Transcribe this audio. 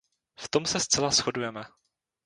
V tom se zcela shodujeme.